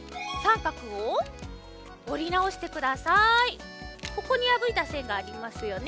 こんどねこのここにやぶいたせんがありますよね。